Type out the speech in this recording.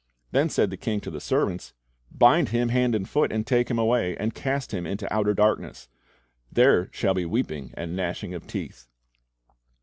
Then said the king to the servants. Bind him hand and foot, and take him away, and cast him into outer darkness; there shall be weeping and gnashing of teeth."